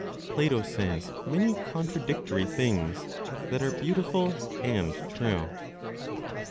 PLATO SAYS MANY CONTRADICTORY THINGS THAT ARE BEAUTIFUL AND TRUE.